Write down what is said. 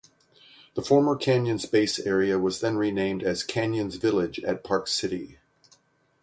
The former Canyons base area was then renamed as Canyons Village at Park City.